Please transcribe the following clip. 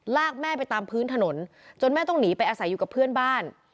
ลากแม่ไปตามพื้นถนนจนแม่ต้องหนีไปอาศัยอยู่กับเพื่อนบ้าน